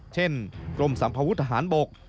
เช่นกรมสัมภวุฒิทหารบก